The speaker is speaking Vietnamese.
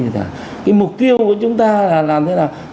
thì cái mục tiêu của chúng ta là làm thế nào